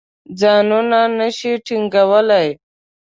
ځانونه نه شي ټینګولای.